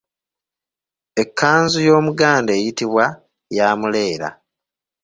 Ekkanzu y'Omuganda eyitibwa “ya muleera.῎